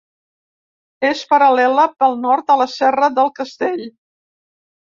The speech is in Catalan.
És paral·lela pel nord a la Serra del Castell.